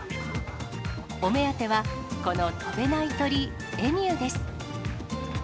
お目当ては、この飛べない鳥、エミューです。